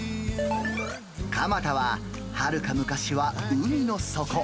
蒲田ははるか昔は海の底。